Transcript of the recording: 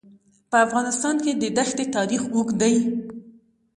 په افغانستان کې د دښتې تاریخ اوږد دی.